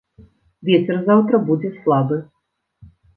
Вецер заўтра будзе слабы.